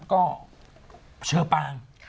ก็เชอปาง